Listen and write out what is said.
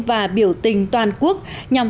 và biểu tình toàn quốc nhằm